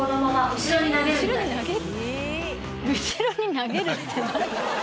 後ろに投げるって何？